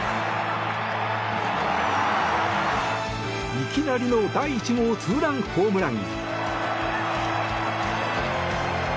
いきなりの第１号ツーランホームラン。